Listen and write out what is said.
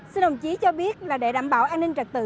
xin đồng chí cho biết là để đảm bảo an ninh trật tự